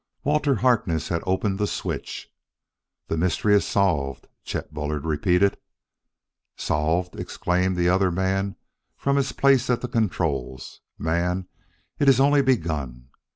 Walter Harkness had opened the switch. "The mystery is solved," Chet Bullard repeated. "Solved?" exclaimed the other from his place at the controls. "Man, it is only begun!"